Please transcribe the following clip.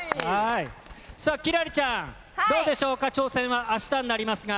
さあ、輝星ちゃん、どうでしょうか、挑戦はあしたになりますが。